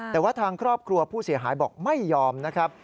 แต่ว่าทางครอบครัวผู้เสียหายบอกไม่ยอมนะครับ